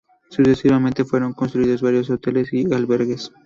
Sucesivamente fueron construidos varios hoteles y albergues.